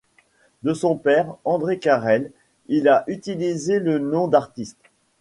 De son père, André Carrell, il a utilisé le nom d'artiste.